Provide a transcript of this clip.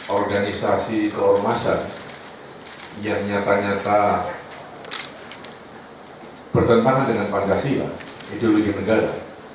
organisasi keormasan yang nyata nyata bertentangan dengan pancasila ideologi negara